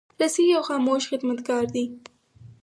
رسۍ یو خاموش خدمتګار دی.